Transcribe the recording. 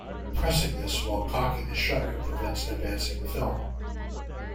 Pressing this while cocking the shutter prevents advancing the film.